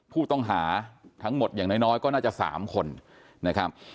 ผู้ต้องหาทั้งหมดอย่างน้อยก็น่าจะ๓คนนะครับ